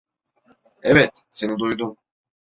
Evet, seni duydum.